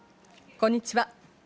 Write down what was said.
こんにちは。